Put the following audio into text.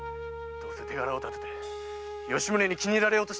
どうせ手柄をたてて吉宗に気に入られようとしたんだ。